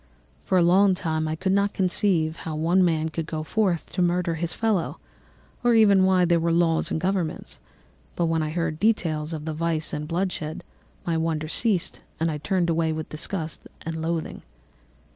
For a long time I could not conceive how one man could go forth to murder his fellow, or even why there were laws and governments; but when I heard details of vice and bloodshed, my wonder ceased and I turned away with disgust and loathing.